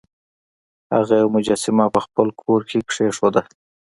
هغه یوه مجسمه په خپل کور کې کیښوده.